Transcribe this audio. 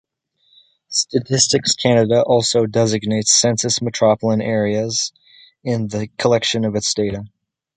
Statistics Canada also designates Census Metropolitan Areas in the collection of its data.